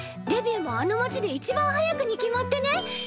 デビューもあの街で一番早くに決まってね！